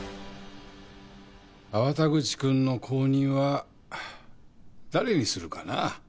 粟田口くんの後任は誰にするかな？